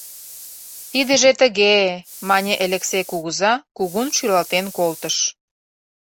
— Тидыже тыге-э, — мане Элексей кугыза, кугун шӱлалтен колтыш.